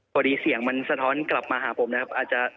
พอดีเสียงมันสะท้อนกลับมาหาผมนะครับอาจจะ